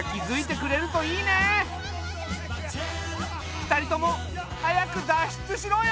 ２人とも早く脱出しろよ！